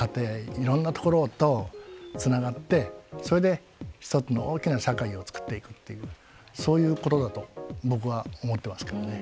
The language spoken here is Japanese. いろんなところとつながってそれで一つの大きな社会を作っていくっていうそういうことだと僕は思ってますけどね。